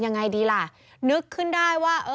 นึกขึ้นได้ว่า